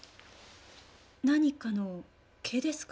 何かの毛ですか？